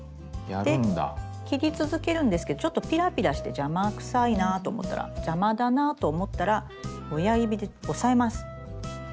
で切り続けるんですけどちょっとピラピラして邪魔くさいなと思ったら邪魔だなと思ったら親指で押さえます。